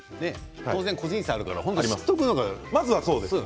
当然個人差があるから知っておくということですね。